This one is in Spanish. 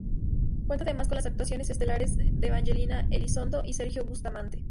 Cuenta además con las actuaciones estelares de Evangelina Elizondo y Sergio Bustamante.